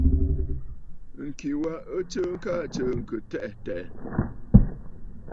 Ŋ̀kì wa ɨ t;sɨɨkə aa tsɨ̀ɨ̀ŋkə̀ tɛʼɛ̀ tɛ̀ʼɛ̀.